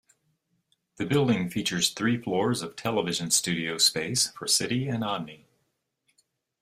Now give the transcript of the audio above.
The building features three floors of television studio space for City and Omni.